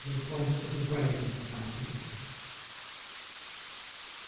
Will point to the grave of the mighty dead.